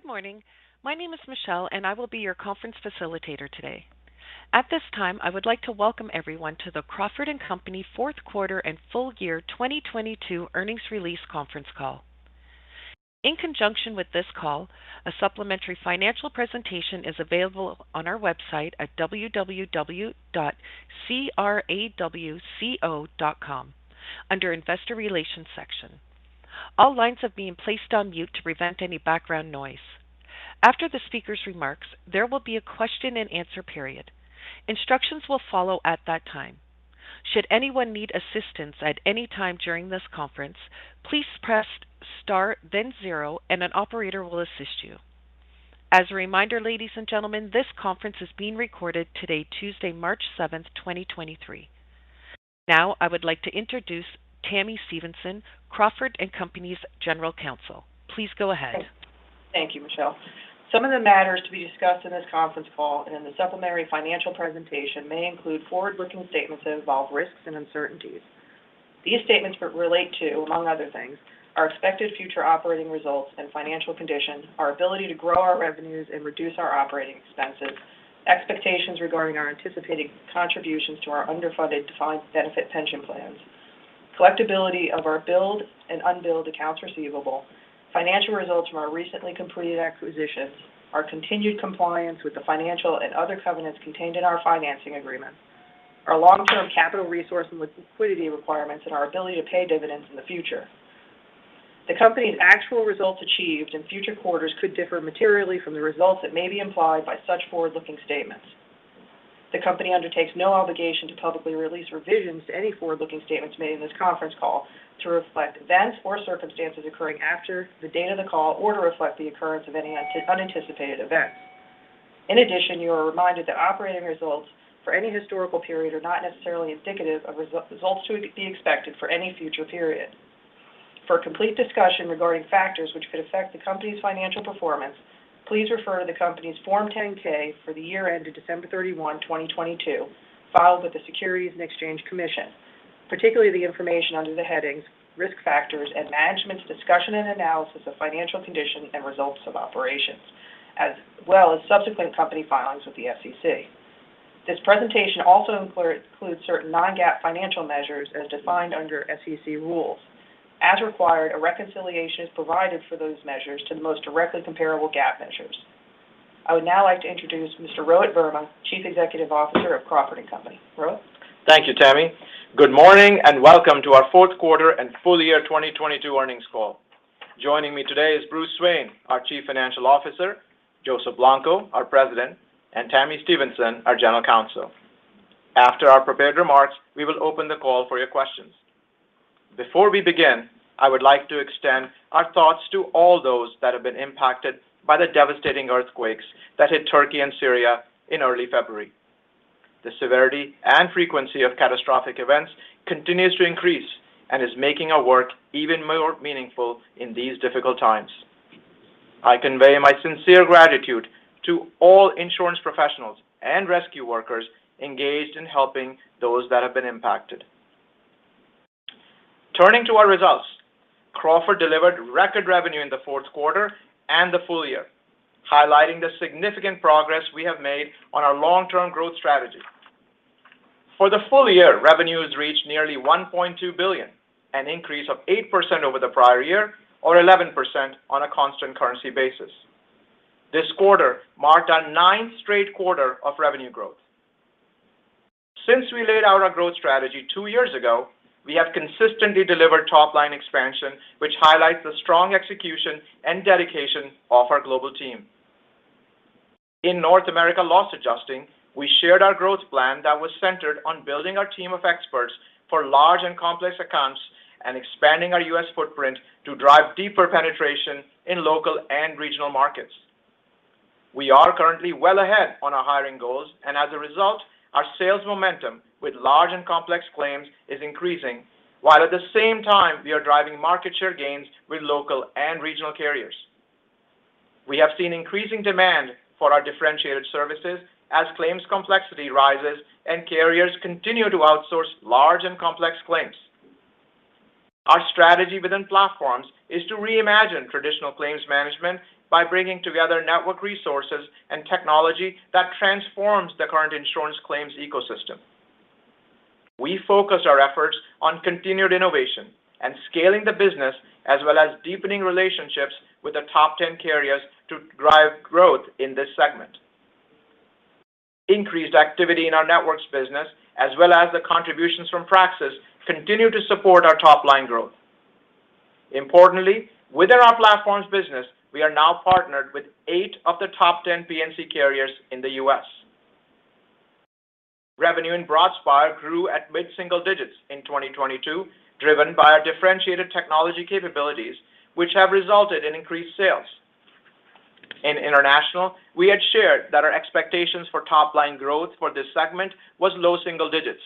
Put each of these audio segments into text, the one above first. Good morning. My name is Michelle, and I will be your conference facilitator today. At this time, I would like to welcome everyone to the Crawford & Company 4th quarter and full year 2022 earnings release conference call. In conjunction with this call, a supplementary financial presentation is available on our website at www.crawco.com, under Investor Relations section. All lines have been placed on mute to prevent any background noise. After the speaker's remarks, there will be a question and answer period. Instructions will follow at that time. Should anyone need assistance at any time during this conference, please press star then zero, and an operator will assist you. As a reminder, ladies and gentlemen, this conference is being recorded today, Tuesday, March 7th, 2023. Now, I would like to introduce Tami Stevenson, Crawford & Company's General Counsel. Please go ahead. Thank you, Michelle. Some of the matters to be discussed in this conference call and in the supplementary financial presentation may include forward-looking statements that involve risks and uncertainties. These statements relate to, among other things, our expected future operating results and financial conditions, our ability to grow our revenues and reduce our operating expenses, expectations regarding our anticipated contributions to our underfunded defined benefit pension plans, collectibility of our billed and unbilled accounts receivable, financial results from our recently completed acquisitions, our continued compliance with the financial and other covenants contained in our financing agreement, our long-term capital resource and liquidity requirements, and our ability to pay dividends in the future. The company's actual results achieved in future quarters could differ materially from the results that may be implied by such forward-looking statements. The company undertakes no obligation to publicly release revisions to any forward-looking statements made in this conference call to reflect events or circumstances occurring after the date of the call or to reflect the occurrence of any unanticipated events. In addition, you are reminded that operating results for any historical period are not necessarily indicative of results to be expected for any future period. For a complete discussion regarding factors which could affect the company's financial performance, please refer to the company's Form 10-K for the year ended December 31, 2022, filed with the Securities and Exchange Commission, particularly the information under the headings Risk Factors and Management's Discussion and Analysis of Financial Condition and Results of Operations, as well as subsequent company filings with the SEC. This presentation also includes certain non-GAAP financial measures as defined under SEC rules. As required, a reconciliation is provided for those measures to the most directly comparable GAAP measures. I would now like to introduce Mr. Rohit Verma, Chief Executive Officer of Crawford & Company. Rohit. Thank you, Tami. Good morning and welcome to our 4th quarter and full year 2022 earnings call. Joining me today is Bruce Swain, our Chief Financial Officer, Joseph Blanco, our President, and Tami Stevenson, our General Counsel. After our prepared remarks, we will open the call for your questions. Before we begin, I would like to extend our thoughts to all those that have been impacted by the devastating earthquakes that hit Turkey and Syria in early February. The severity and frequency of catastrophic events continues to increase and is making our work even more meaningful in these difficult times. I convey my sincere gratitude to all insurance professionals and rescue workers engaged in helping those that have been impacted. Turning to our results, Crawford delivered record revenue in the 4th quarter and the full year, highlighting the significant progress we have made on our long-term growth strategy. For the full year, revenues reached nearly $1.2 billion, an increase of 8% over the prior year or 11% on a constant currency basis. This quarter marked our ninth straight quarter of revenue growth. Since we laid out our growth strategy two years ago, we have consistently delivered top-line expansion, which highlights the strong execution and dedication of our global team. In North America Loss Adjusting, we shared our growth plan that was centered on building our team of experts for large and complex accounts and expanding our U.S. footprint to drive deeper penetration in local and regional markets. We are currently well ahead on our hiring goals, and as a result, our sales momentum with large and complex claims is increasing, while at the same time, we are driving market share gains with local and regional carriers. We have seen increasing demand for our differentiated services as claims complexity rises and carriers continue to outsource large and complex claims. Our strategy within platforms is to reimagine traditional claims management by bringing together network resources and technology that transforms the current insurance claims ecosystem. We focus our efforts on continued innovation and scaling the business, as well as deepening relationships with the top 10 carriers to drive growth in this segment. Increased activity in our Networks business, as well as the contributions from Praxis, continue to support our top-line growth. Importantly, within our platforms business, we are now partnered with eight of the top 10 P&C carriers in the U.S. Revenue in Broadspire grew at mid-single digits in 2022, driven by our differentiated technology capabilities, which have resulted in increased sales. In International, we had shared that our expectations for top-line growth for this segment was low single digits.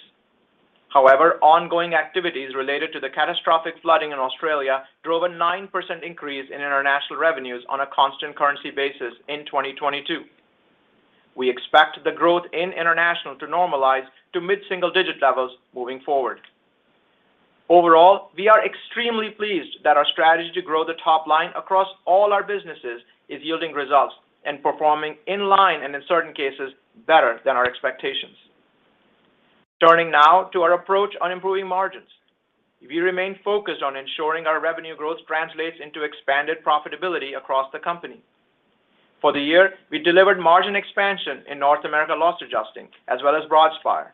However, ongoing activities related to the catastrophic flooding in Australia drove a 9% increase in International revenues on a constant currency basis in 2022. We expect the growth in International to normalize to mid-single digit levels moving forward. Overall, we are extremely pleased that our strategy to grow the top line across all our businesses is yielding results and performing in line, and in certain cases, better than our expectations. Turning now to our approach on improving margins. We remain focused on ensuring our revenue growth translates into expanded profitability across the company. For the year, we delivered margin expansion in North America Loss Adjusting as well as Broadspire.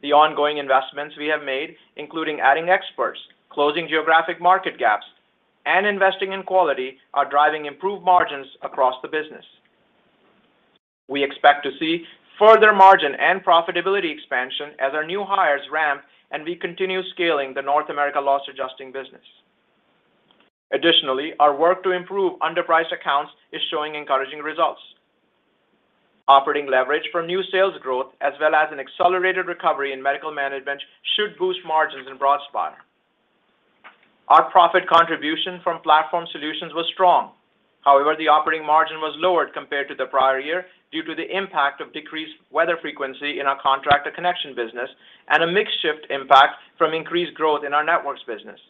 The ongoing investments we have made, including adding experts, closing geographic market gaps, and investing in quality are driving improved margins across the business. We expect to see further margin and profitability expansion as our new hires ramp, and we continue scaling the North America Loss Adjusting business. Additionally, our work to improve underpriced accounts is showing encouraging results. Operating leverage from new sales growth as well as an accelerated recovery in Medical Management should boost margins in Broadspire. Our profit contribution from Platform Solutions was strong. The operating margin was lowered compared to the prior year due to the impact of decreased weather frequency in our Contractor Connection business and a mixed shift impact from increased growth in our Networks business.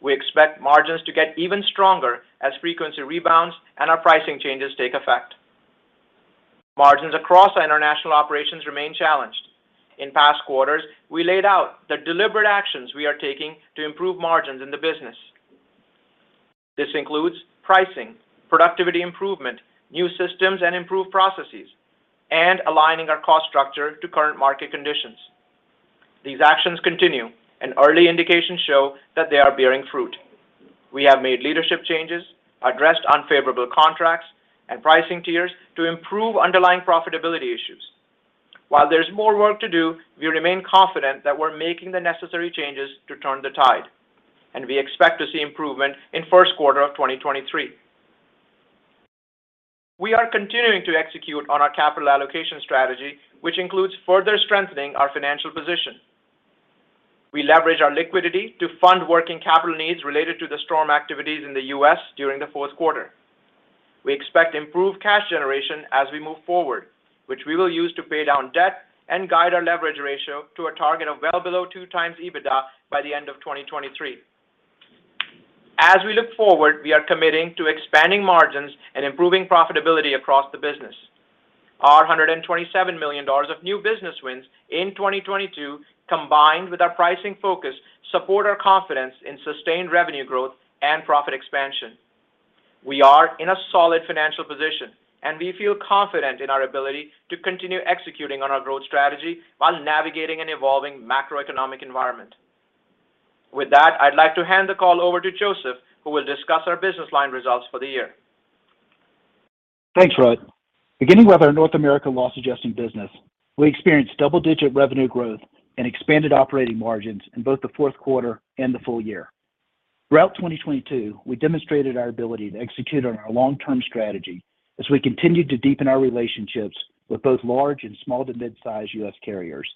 We expect margins to get even stronger as frequency rebounds and our pricing changes take effect. Margins across our International Operations remain challenged. In past quarters, we laid out the deliberate actions we are taking to improve margins in the business. This includes pricing, productivity improvement, new systems and improved processes, and aligning our cost structure to current market conditions. These actions continue, and early indications show that they are bearing fruit. We have made leadership changes, addressed unfavorable contracts and pricing tiers to improve underlying profitability issues. While there's more work to do, we remain confident that we're making the necessary changes to turn the tide, and we expect to see improvement in first quarter of 2023. We are continuing to execute on our capital allocation strategy, which includes further strengthening our financial position. We leverage our liquidity to fund working capital needs related to the storm activities in the U.S. during the fourth quarter. We expect improved cash generation as we move forward, which we will use to pay down debt and guide our leverage ratio to a target of well below 2x EBITDA by the end of 2023. We look forward, we are committing to expanding margins and improving profitability across the business. Our $127 million of new business wins in 2022, combined with our pricing focus, support our confidence in sustained revenue growth and profit expansion. We are in a solid financial position, we feel confident in our ability to continue executing on our growth strategy while navigating an evolving macroeconomic environment. With that, I'd like to hand the call over to Joseph, who will discuss our business line results for the year. Thanks, Rohit. Beginning with our North America Loss Adjusting business, we experienced double-digit revenue growth and expanded operating margins in both the fourth quarter and the full year. Throughout 2022, we demonstrated our ability to execute on our long-term strategy as we continued to deepen our relationships with both large and small to mid-size U.S. carriers.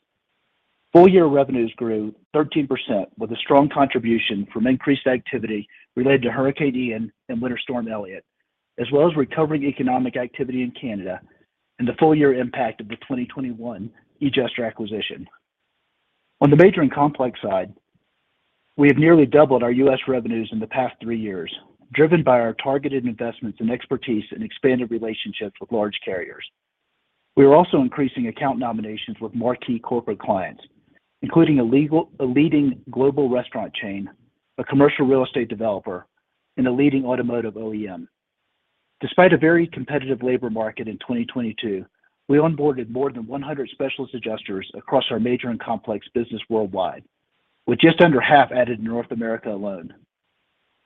Full-year revenues grew 13% with a strong contribution from increased activity related to Hurricane Ian and Winter Storm Elliott, as well as recovering economic activity in Canada and the full-year impact of the 2021 edjuster acquisition. On the major and complex side, we have nearly doubled our U.S. revenues in the past three years, driven by our targeted investments and expertise and expanded relationships with large carriers. We are also increasing account nominations with more key corporate clients, including a leading global restaurant chain, a commercial real estate developer, and a leading automotive OEM. Despite a very competitive labor market in 2022, we onboarded more than 100 specialist adjusters across our major and complex business worldwide, with just under half added in North America alone.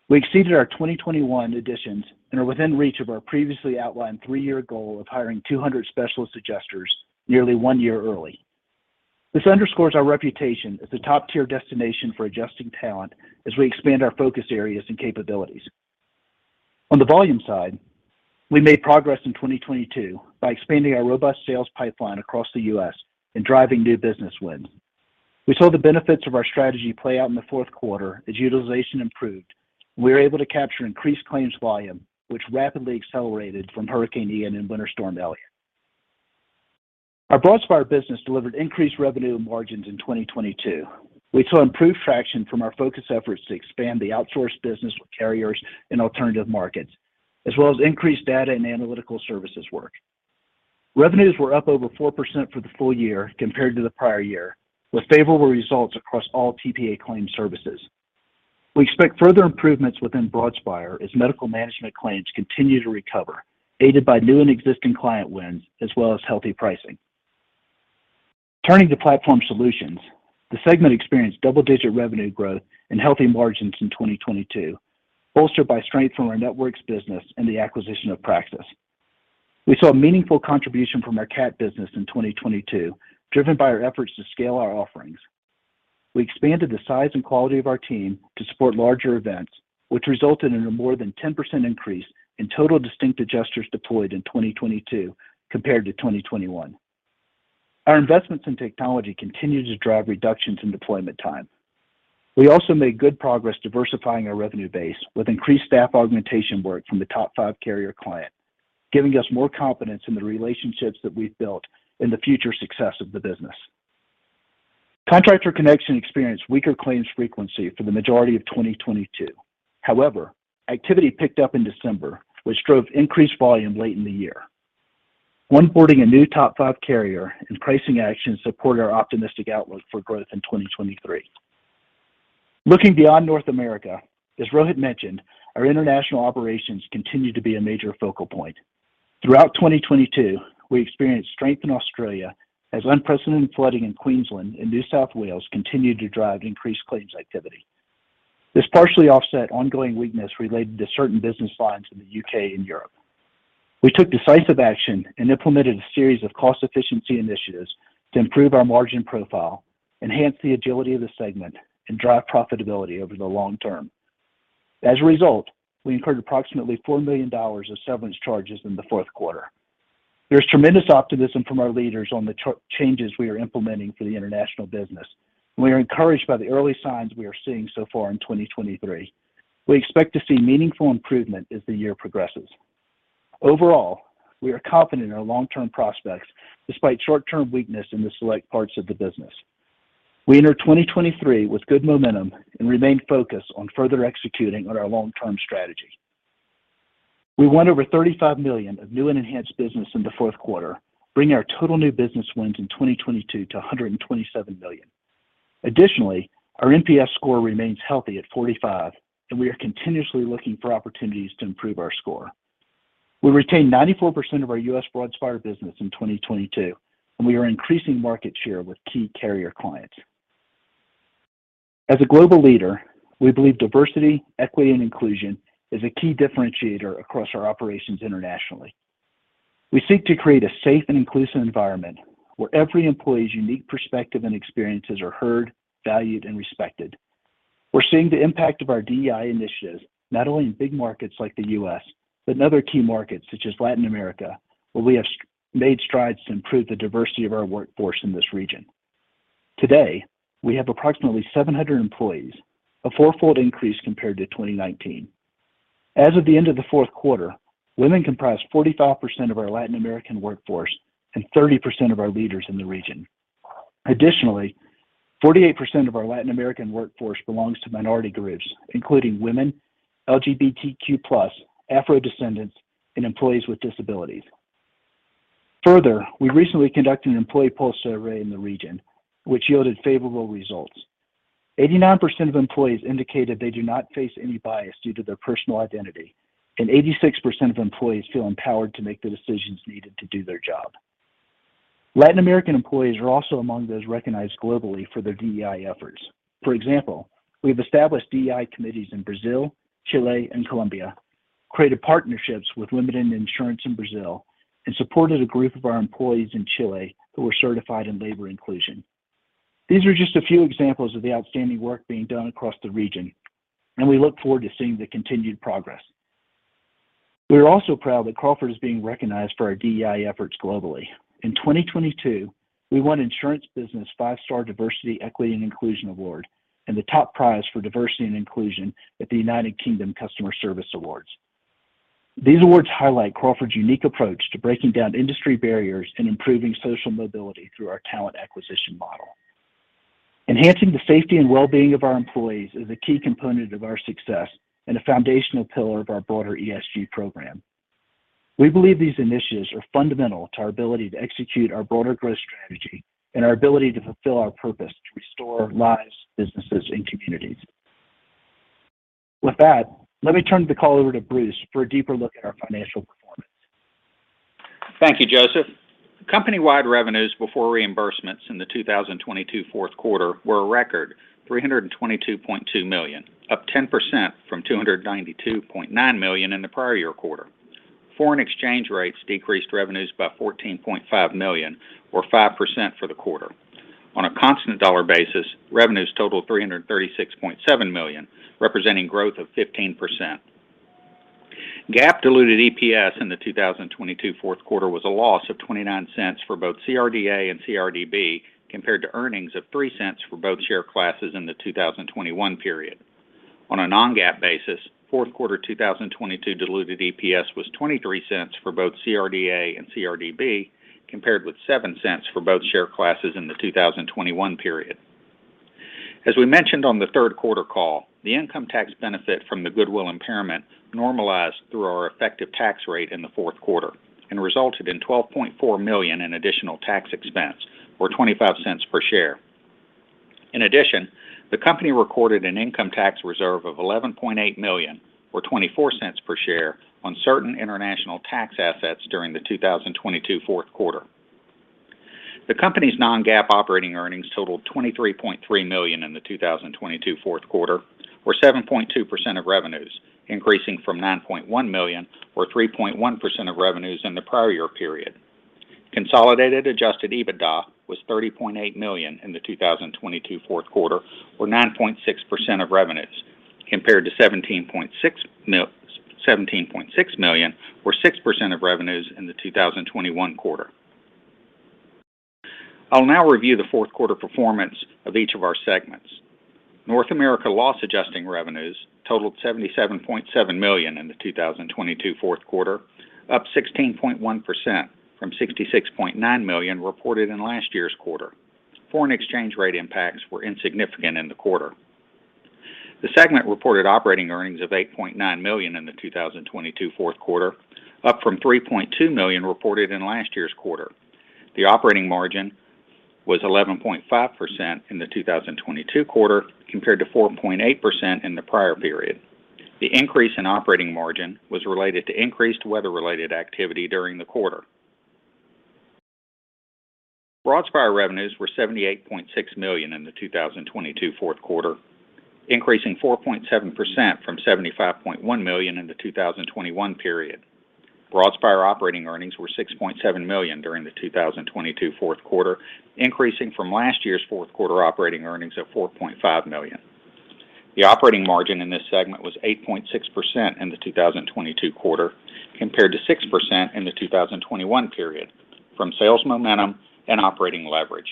We exceeded our 2021 additions and are within reach of our previously outlined 3-year goal of hiring 200 specialist adjusters nearly one year early. This underscores our reputation as a top-tier destination for adjusting talent as we expand our focus areas and capabilities. On the volume side, we made progress in 2022 by expanding our robust sales pipeline across the U.S. and driving new business wins. We saw the benefits of our strategy play out in the fourth quarter as utilization improved. We were able to capture increased claims volume, which rapidly accelerated from Hurricane Ian and Winter Storm Elliott. Our Broadspire business delivered increased revenue and margins in 2022. We saw improved traction from our focus efforts to expand the outsource business with carriers in alternative markets, as well as increased data and analytical services work. Revenues were up over 4% for the full year compared to the prior year, with favorable results across all TPA claim services. We expect further improvements within Broadspire as Medical Management claims continue to recover, aided by new and existing client wins as well as healthy pricing. Turning to Platform Solutions, the segment experienced double-digit revenue growth and healthy margins in 2022, bolstered by strength from our Networks business and the acquisition of Praxis. We saw a meaningful contribution from our CAT business in 2022, driven by our efforts to scale our offerings. We expanded the size and quality of our team to support larger events, which resulted in a more than 10% increase in total distinct adjusters deployed in 2022 compared to 2021. Our investments in technology continue to drive reductions in deployment time. We also made good progress diversifying our revenue base with increased staff augmentation work from the top five carrier client, giving us more confidence in the relationships that we've built and the future success of the business. Contractor Connection experienced weaker claims frequency for the majority of 2022. Activity picked up in December, which drove increased volume late in the year. Onboarding a new top five carrier and pricing actions support our optimistic outlook for growth in 2023. Looking beyond North America, as Rohit mentioned, our International Operations continue to be a major focal point. Throughout 2022, we experienced strength in Australia as unprecedented flooding in Queensland and New South Wales continued to drive increased claims activity. This partially offset ongoing weakness related to certain business lines in the U.K. and Europe. We took decisive action and implemented a series of cost efficiency initiatives to improve our margin profile, enhance the agility of the segment, and drive profitability over the long term. As a result, we incurred approximately $4 million of severance charges in the fourth quarter. There's tremendous optimism from our leaders on the changes we are implementing for the International business. We are encouraged by the early signs we are seeing so far in 2023. We expect to see meaningful improvement as the year progresses. Overall, we are confident in our long-term prospects despite short-term weakness in the select parts of the business. We enter 2023 with good momentum and remain focused on further executing on our long-term strategy. We won over $35 million of new and enhanced business in the Q4, bringing our total new business wins in 2022 to $127 million. Our NPS score remains healthy at 45, and we are continuously looking for opportunities to improve our score. We retained 94% of our U.S. Broadspire business in 2022, and we are increasing market share with key carrier clients. As a global leader, we believe diversity, equity, and inclusion is a key differentiator across our operations internationally. We seek to create a safe and inclusive environment where every employee's unique perspective and experiences are heard, valued, and respected. We're seeing the impact of our DEI initiatives, not only in big markets like the U.S., but in other key markets such as Latin America, where we have made strides to improve the diversity of our workforce in this region. Today, we have approximately 700 employees, a four-fold increase compared to 2019. As of the end of the fourth quarter, women comprise 45% of our Latin American workforce and 30% of our leaders in the region. 48% of our Latin American workforce belongs to minority groups, including women, LGBTQ+, Afro descendants, and employees with disabilities. We recently conducted an employee pulse survey in the region, which yielded favorable results. 89% of employees indicated they do not face any bias due to their personal identity, and 86% of employees feel empowered to make the decisions needed to do their job. Latin American employees are also among those recognized globally for their DEI efforts. We've established DEI committees in Brazil, Chile, and Colombia, created partnerships with Women in Insurance in Brazil, and supported a group of our employees in Chile who were certified in labor inclusion. These are just a few examples of the outstanding work being done across the region. We look forward to seeing the continued progress. We are also proud that Crawford is being recognized for our DEI efforts globally. In 2022, we won Insurance Business 5-Star Diversity, Equity and Inclusion Award and the top prize for Diversity and Inclusion at the UK Customer Service Awards. These awards highlight Crawford's unique approach to breaking down industry barriers and improving social mobility through our talent acquisition model. Enhancing the safety and well-being of our employees is a key component of our success and a foundational pillar of our broader ESG program. We believe these initiatives are fundamental to our ability to execute our broader growth strategy and our ability to fulfill our purpose to restore lives, businesses, and communities. With that, let me turn the call over to Bruce for a deeper look at our financial performance. Thank you, Joseph. Company-wide revenues before reimbursements in the 2022 fourth quarter were a record $322.2 million, up 10% from $292.9 million in the prior year quarter. Foreign exchange rates decreased revenues by $14.5 million or 5% for the quarter. On a constant dollar basis, revenues totaled $336.7 million, representing growth of 15%. GAAP diluted EPS in the 2022 fourth quarter was -$0.29 for both CRDA and CRDB, compared to earnings of $0.03 for both share classes in the 2021 period. On a non-GAAP basis, fourth quarter 2022 diluted EPS was $0.23 for both CRDA and CRDB, compared with $0.07 for both share classes in the 2021 period. As we mentioned on the third quarter call, the income tax benefit from the goodwill impairment normalized through our effective tax rate in the fourth quarter and resulted in $12.4 million in additional tax expense or $0.25 per share. In addition, the company recorded an income tax reserve of $11.8 million or $0.24 per share on certain international tax assets during the 2022 fourth quarter. The company's non-GAAP operating earnings totaled $23.3 million in the 2022 fourth quarter or 7.2% of revenues, increasing from $9.1 million or 3.1% of revenues in the prior year period. Consolidated adjusted EBITDA was $30.8 million in the 2022 fourth quarter or 9.6% of revenues, compared to $17.6 million or 6% of revenues in the 2021 quarter. I'll now review the fourth quarter performance of each of our segments. North America Loss Adjusting revenues totaled $77.7 million in the 2022 fourth quarter, up 16.1% from $66.9 million reported in last year's quarter. Foreign exchange rate impacts were insignificant in the quarter. The segment reported operating earnings of $8.9 million in the 2022 fourth quarter, up from $3.2 million reported in last year's quarter. The operating margin was 11.5% in the 2022 quarter compared to 4.8% in the prior period. The increase in operating margin was related to increased weather-related activity during the quarter. Broadspire revenues were $78.6 million in the 2022 fourth quarter, increasing 4.7% from $75.1 million in the 2021 period. Broadspire operating earnings were $6.7 million during the 2022 fourth quarter, increasing from last year's fourth quarter operating earnings of $4.5 million. The operating margin in this segment was 8.6% in the 2022 quarter compared to 6% in the 2021 period from sales momentum and operating leverage.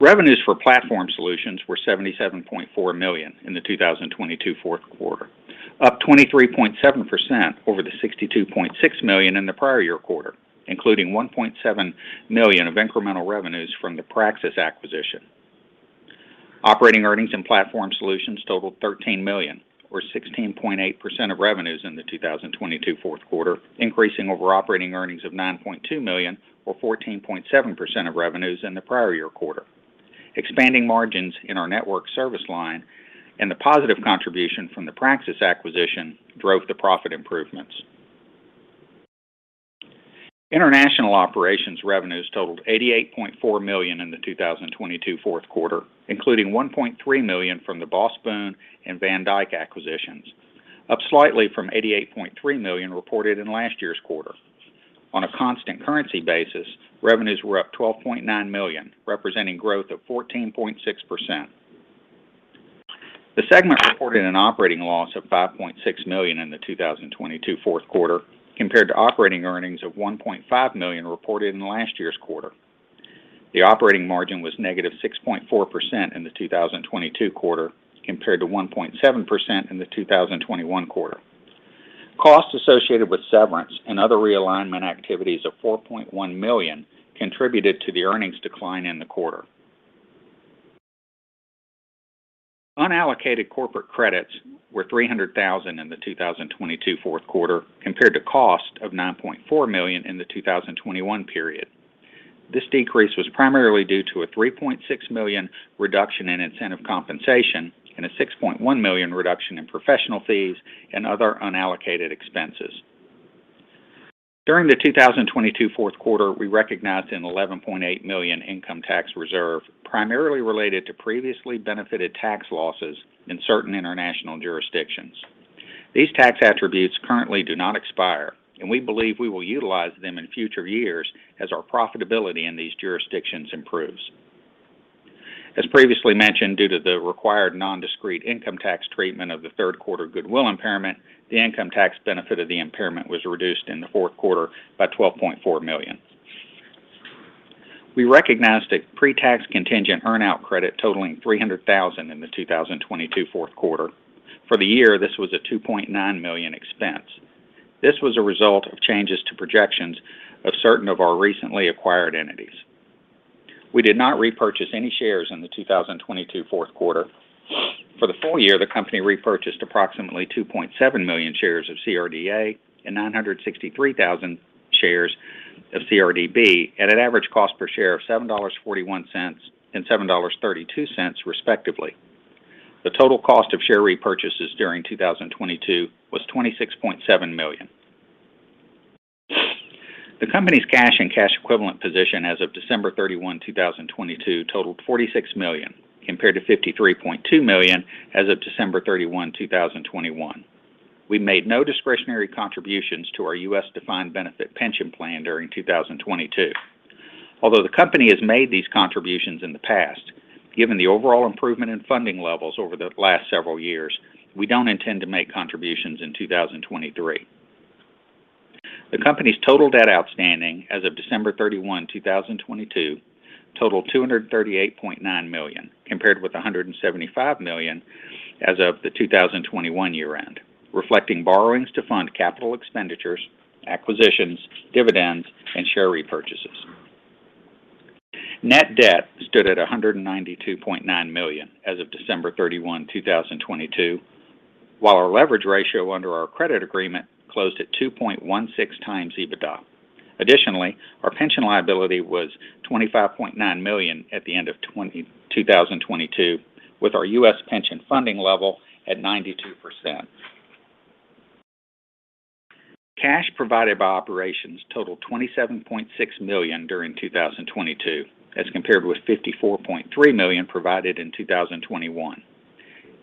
Revenues for Platform Solutions were $77.4 million in the 2022 fourth quarter, up 23.7% over the $62.6 million in the prior year quarter, including $1.7 million of incremental revenues from the Praxis acquisition. Operating earnings in Platform Solutions totaled $13 million or 16.8% of revenues in the 2022 fourth quarter, increasing over operating earnings of $9.2 million or 14.7% of revenues in the prior year quarter. Expanding margins in our network service line and the positive contribution from the Praxis acquisition drove the profit improvements. International Operations revenues totaled $88.4 million in the 2022 fourth quarter, including $1.3 million from the BosBoon and Van Dijk acquisitions, up slightly from $88.3 million reported in last year's quarter. On a constant currency basis, revenues were up $12.9 million, representing growth of 14.6%. The segment reported an operating loss of $5.6 million in the 2022 fourth quarter compared to operating earnings of $1.5 million reported in last year's quarter. The operating margin was -6.4% in the 2022 quarter compared to 1.7% in the 2021 quarter. Costs associated with severance and other realignment activities of $4.1 million contributed to the earnings decline in the quarter. Unallocated corporate credits were $300,000 in the 2022 fourth quarter compared to cost of $9.4 million in the 2021 period. This decrease was primarily due to a $3.6 million reduction in incentive compensation and a $6.1 million reduction in professional fees and other unallocated expenses. During the 2022 fourth quarter, we recognized an $11.8 million income tax reserve primarily related to previously benefited tax losses in certain international jurisdictions. These tax attributes currently do not expire, and we believe we will utilize them in future years as our profitability in these jurisdictions improves. As previously mentioned, due to the required non-discrete income tax treatment of the third quarter goodwill impairment, the income tax benefit of the impairment was reduced in the fourth quarter by $12.4 million. We recognized a pre-tax contingent earn out credit totaling $300,000 in the 2022 fourth quarter. For the year, this was a $2.9 million expense. This was a result of changes to projections of certain of our recently acquired entities. We did not repurchase any shares in the 2022 fourth quarter. For the full year, the company repurchased approximately 2.7 million shares of CRDA and 963,000 shares of CRDB at an average cost per share of $7.41 and $7.32, respectively. The total cost of share repurchases during 2022 was $26.7 million. The company's cash and cash equivalent position as of December 31, 2022 totaled $46 million compared to $53.2 million as of December 31, 2021. We made no discretionary contributions to our U.S. defined benefit pension plan during 2022. Although the company has made these contributions in the past, given the overall improvement in funding levels over the last several years, we don't intend to make contributions in 2023. The company's total debt outstanding as of December 31, 2022 totaled $238.9 million compared with $175 million as of the 2021 year end, reflecting borrowings to fund capital expenditures, acquisitions, dividends, and share repurchases. Net debt stood at $192.9 million as of December 31, 2022, while our leverage ratio under our credit agreement closed at 2.16x EBITDA. Our pension liability was $25.9 million at the end of 2022, with our U.S. pension funding level at 92%. Cash provided by operations totaled $27.6 million during 2022 as compared with $54.3 million provided in 2021.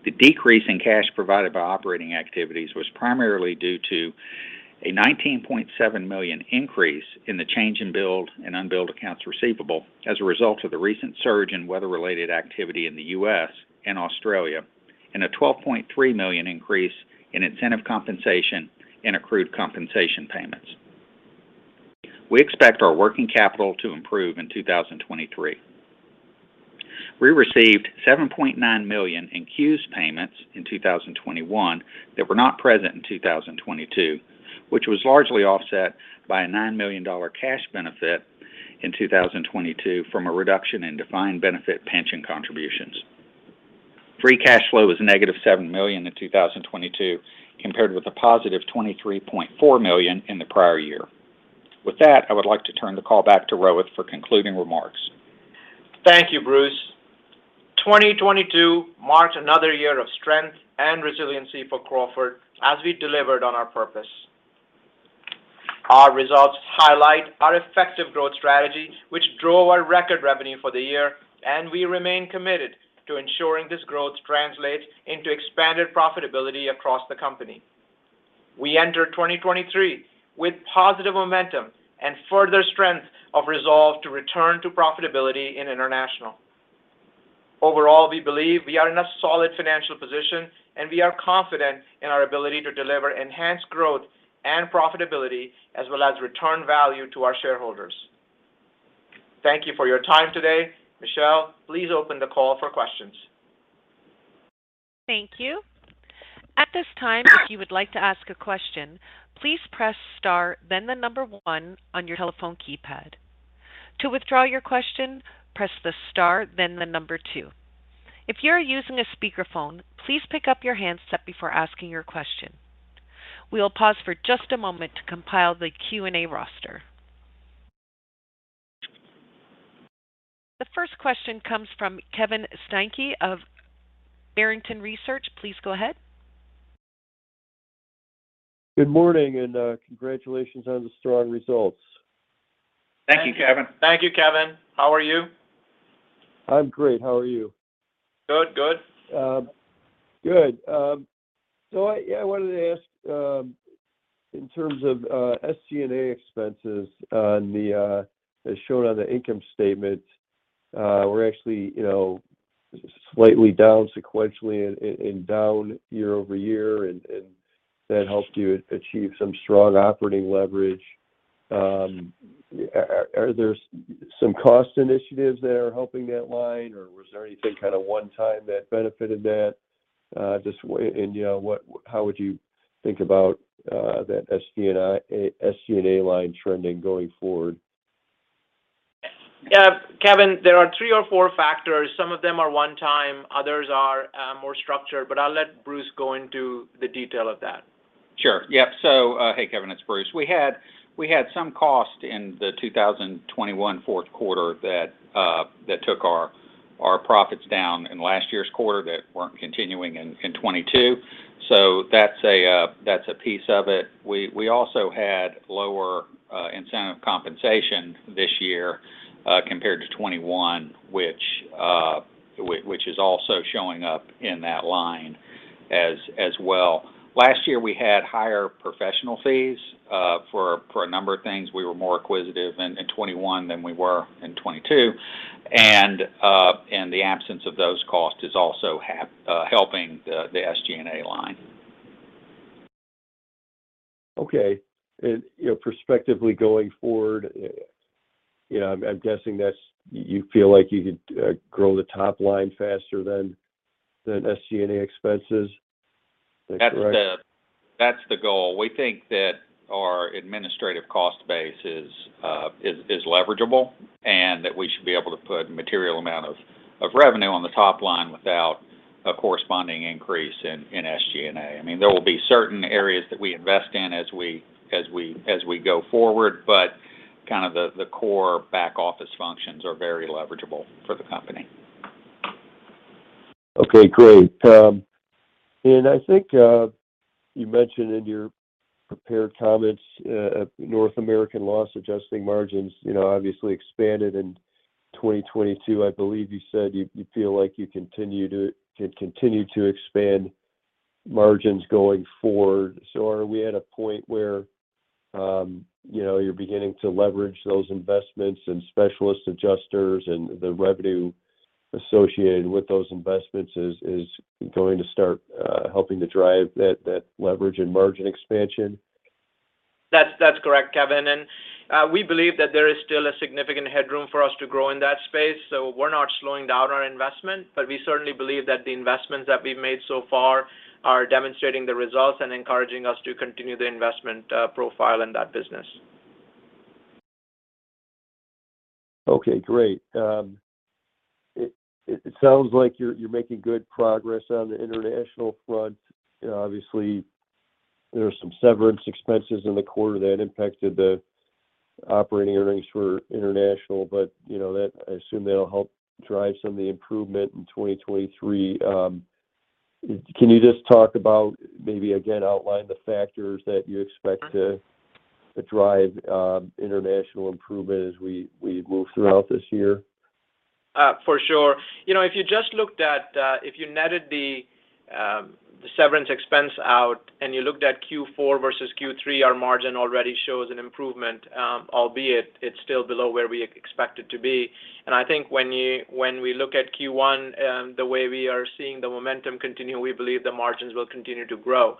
The decrease in cash provided by operating activities was primarily due to a $19.7 million increase in the change in build and unbilled accounts receivable as a result of the recent surge in weather-related activity in the US and Australia. A $12.3 million increase in incentive compensation and accrued compensation payments. We expect our working capital to improve in 2023. We received $7.9 million in CEWS payments in 2021 that were not present in 2022, which was largely offset by a $9 million cash benefit in 2022 from a reduction in defined benefit pension contributions. Free cash flow was -$7 million in 2022, compared with a positive $23.4 million in the prior year. With that, I would like to turn the call back to Rohit for concluding remarks. Thank you, Bruce. 2022 marked another year of strength and resiliency for Crawford as we delivered on our purpose. Our results highlight our effective growth strategy, which drove our record revenue for the year. We remain committed to ensuring this growth translates into expanded profitability across the company. We enter 2023 with positive momentum and further strength of resolve to return to profitability in International. Overall, we believe we are in a solid financial position. We are confident in our ability to deliver enhanced growth and profitability as well as return value to our shareholders. Thank you for your time today. Michelle, please open the call for questions. Thank you. At this time, if you would like to ask a question, please press star then the number one on your telephone keypad. To withdraw your question, press the star then the number two. If you are using a speakerphone, please pick up your handset before asking your question. We will pause for just a moment to compile the Q&A roster. The first question comes from Kevin Steinke of Barrington Research. Please go ahead. Good morning. Congratulations on the strong results. Thank you, Kevin. Thank you, Kevin. How are you? I'm great. How are you? Good. Good. Good. I wanted to ask, in terms of SG&A expenses on the as shown on the income statement, we're actually, you know, slightly down sequentially and down year over year, and that helped you achieve some strong operating leverage. Are there some cost initiatives that are helping that line, or was there anything kinda one time that benefited that? Just, you know, how would you think about that SG&A line trending going forward? Yeah. Kevin, there are three or four factors. Some of them are one time, others are, more structured. I'll let Bruce go into the detail of that. Sure. Yep. Kevin, it's Bruce. We had some cost in the 2021 fourth quarter that took our profits down in last year's quarter that weren't continuing in 2022. That's a piece of it. We also had lower incentive compensation this year compared to 2021, which is also showing up in that line as well. Last year, we had higher professional fees for a number of things. We were more acquisitive in 2021 than we were in 2022. The absence of those costs is also helping the SG&A line. Okay. you know, prospectively going forward, you know, I'm guessing that's you feel like you could grow the top line faster than SG&A expenses. Is that correct? That's the goal. We think that our administrative cost base is leverageable and that we should be able to put material amount of revenue on the top line without a corresponding increase in SG&A. I mean, there will be certain areas that we invest in as we go forward, but kind of the core back office functions are very leverageable for the company. Okay, great. I think you mentioned in your prepared comments, North America Loss Adjusting margins, you know, obviously expanded in 2022. I believe you said you feel like you can continue to expand margins going forward. Are we at a point where, you know, you're beginning to leverage those investments and specialist adjusters and the revenue associated with those investments is going to start helping to drive that leverage and margin expansion? That's correct, Kevin. We believe that there is still a significant headroom for us to grow in that space. We're not slowing down our investment, but we certainly believe that the investments that we've made so far are demonstrating the results and encouraging us to continue the investment profile in that business. Okay, great. It, it sounds like you're making good progress on the International front. Obviously, there are some severance expenses in the quarter that impacted the operating earnings for International, but, you know, I assume that'll help drive some of the improvement in 2023. Can you just talk about maybe, again, outline the factors that you expect to drive, International improvement as we move throughout this year? For sure. You know, if you just looked at, if you netted the Severance expense out and you looked at Q4 versus Q3, our margin already shows an improvement, albeit it's still below where we expect it to be. I think when we look at Q1, the way we are seeing the momentum continue, we believe the margins will continue to grow.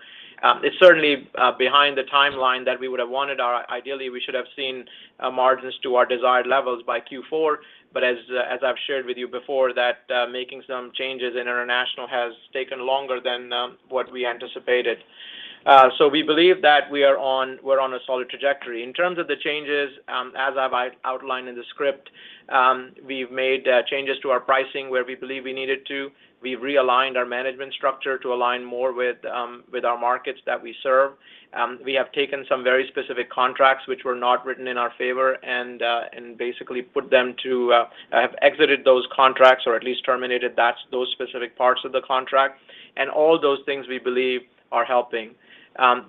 It's certainly behind the timeline that we would have wanted. Ideally, we should have seen margins to our desired levels by Q4. As, as I've shared with you before, that making some changes in International has taken longer than what we anticipated. We believe that we're on a solid trajectory. In terms of the changes, as I've outlined in the script, we've made changes to our pricing where we believe we needed to. We've realigned our management structure to align more with our markets that we serve. We have taken some very specific contracts which were not written in our favor and basically have exited those contracts or at least terminated those specific parts of the contract. All those things we believe are helping.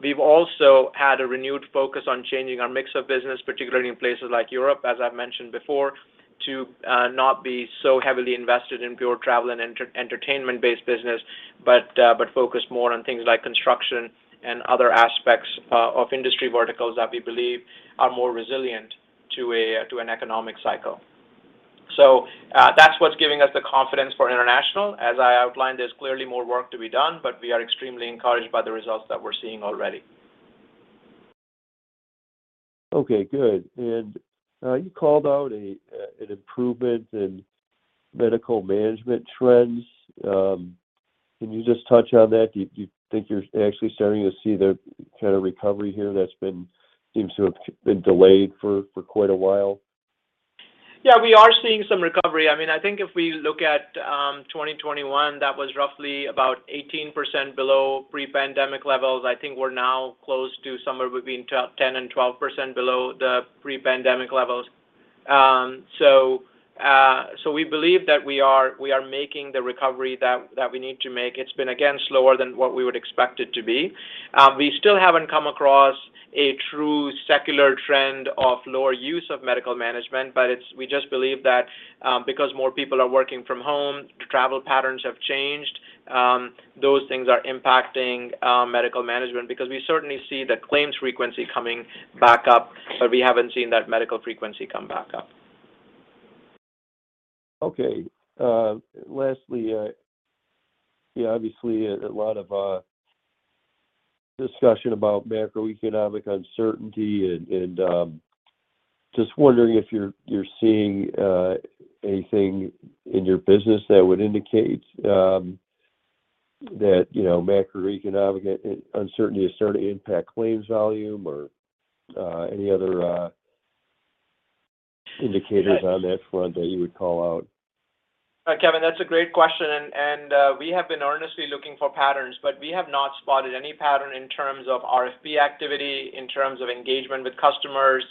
We've also had a renewed focus on changing our mix of business, particularly in places like Europe, as I've mentioned before, to not be so heavily invested in pure travel and entertainment-based business, but focus more on things like construction and other aspects of industry verticals that we believe are more resilient to an economic cycle. That's what's giving us the confidence for International. As I outlined, there's clearly more work to be done, but we are extremely encouraged by the results that we're seeing already. Okay, good. You called out an improvement in Medical Management trends. Can you just touch on that? Do you think you're actually starting to see the kind of recovery here that seems to have been delayed for quite a while? Yeah, we are seeing some recovery. I mean, I think if we look at 2021, that was roughly about 18% below pre-pandemic levels. I think we're now close to somewhere between 10%-12% below the pre-pandemic levels. We believe that we are making the recovery that we need to make. It's been, again, slower than what we would expect it to be. We still haven't come across a true secular trend of lower use of Medical Management, we just believe that because more people are working from home, travel patterns have changed, those things are impacting Medical Management because we certainly see the claims frequency coming back up, but we haven't seen that medical frequency come back up. Okay. Lastly, yeah, obviously a lot of discussion about macroeconomic uncertainty and just wondering if you're seeing anything in your business that would indicate that, you know, macroeconomic uncertainty is starting to impact claims volume or any other indicators on that front that you would call out? Kevin, that's a great question, we have been earnestly looking for patterns, but we have not spotted any pattern in terms of RFP activity, in terms of engagement with customers,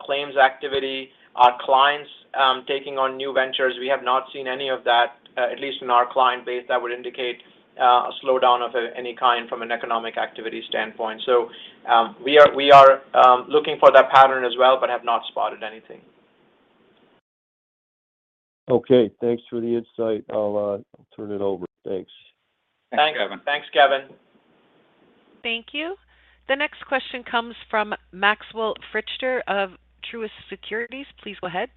claims activity, our clients, taking on new ventures. We have not seen any of that, at least in our client base that would indicate any kind from an economic activity standpoint. We are looking for that pattern as well, but have not spotted anything. Okay. Thanks for the insight. I'll turn it over. Thanks. Thanks. Thanks, Kevin. Thanks, Kevin. Thank you. The next question comes from Maxwell Fritscher of Truist Securities. Please go ahead.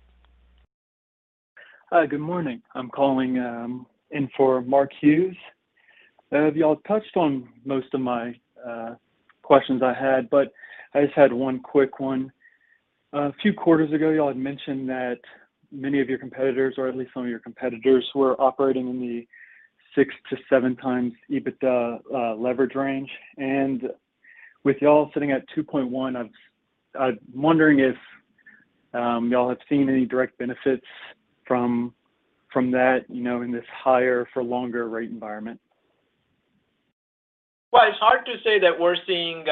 Hi. Good morning. I'm calling in for Mark Hughes. Y'all touched on most of my questions I had, but I just had one quick one. A few quarters ago, y'all had mentioned that many of your competitors, or at least some of your competitors, were operating in the 6x-7x EBITDA leverage range. With y'all sitting at 2.1x, I'm wondering if y'all have seen any direct benefits from that, you know, in this higher for longer rate environment? Well, it's hard to say that we're seeing,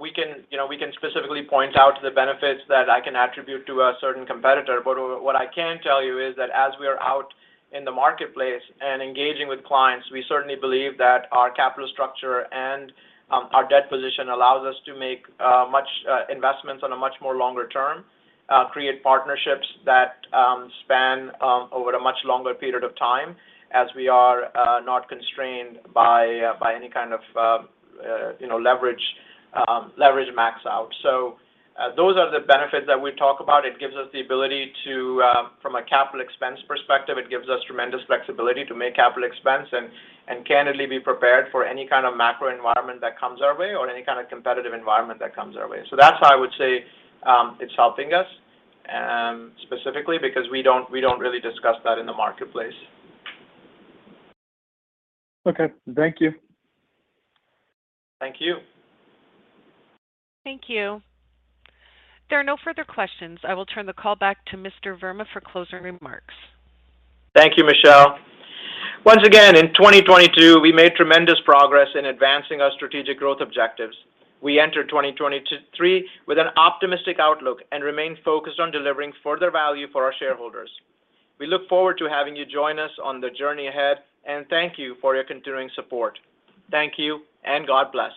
we can, you know, we can specifically point out the benefits that I can attribute to a certain competitor. What I can tell you is that as we are out in the marketplace and engaging with clients, we certainly believe that our capital structure and our debt position allows us to make much investments on a much more longer term, create partnerships that span over a much longer period of time as we are not constrained by any kind of, you know, leverage max out. Those are the benefits that we talk about. It gives us the ability to, from a capital expense perspective, it gives us tremendous flexibility to make capital expense and candidly be prepared for any kind of macro environment that comes our way or any kind of competitive environment that comes our way. That's how I would say, it's helping us, specifically because we don't really discuss that in the marketplace. Okay. Thank you. Thank you. Thank you. There are no further questions. I will turn the call back to Mr. Verma for closing remarks. Thank you, Michelle. Once again, in 2022, we made tremendous progress in advancing our strategic growth objectives. We enter 2023 with an optimistic outlook and remain focused on delivering further value for our shareholders. We look forward to having you join us on the journey ahead, thank you for your continuing support. Thank you, God bless.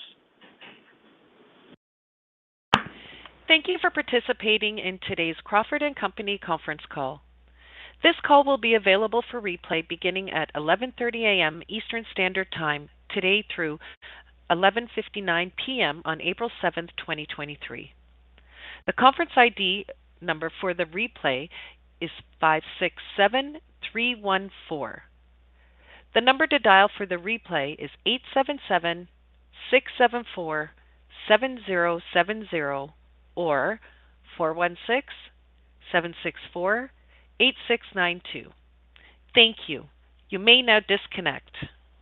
Thank you for participating in today's Crawford & Company conference call. This call will be available for replay beginning at 11:30 A.M. Eastern Standard Time today through 11:59 P.M. on April 7th, 2023. The conference ID number for the replay is 567314. The number to dial for the replay is 877-674-7070 or 416-764-8692. Thank you. You may now disconnect.